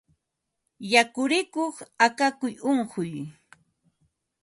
Yakurikuq akakuy unquy